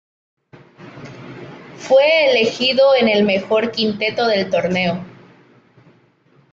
Fue elegido en el mejor quinteto del torneo.